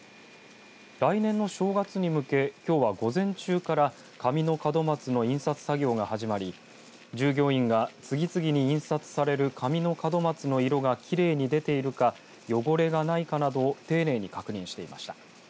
来年の正月に向けきょうは午前中から紙の門松の印刷作業が始まり従業員が次々に印刷される紙の門松の色がきれいに出ているか汚れがないかなどを丁寧に確認していました。